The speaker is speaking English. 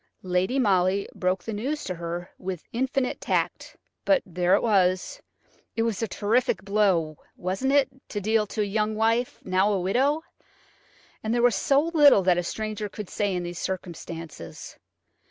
Lady Molly broke the news to her with infinite tact, but there it was! It was a terrific blow–wasn't it?–to deal to a young wife–now a widow; and there was so little that a stranger could say in these circumstances.